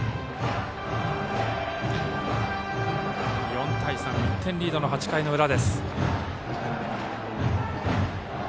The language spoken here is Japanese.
４対３、１点リードの８回の裏。